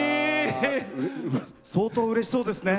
相当うれしそうですね。